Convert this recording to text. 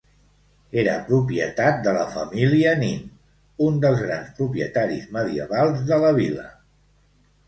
Era propietat de la família Nin, un dels grans propietaris medievals de la vila.